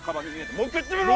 もう一回言ってみろ！